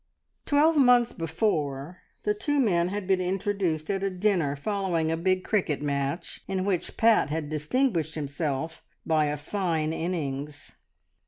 Twelve months before the two men had been introduced at a dinner following a big cricket match in which Pat had distinguished himself by a fine innings.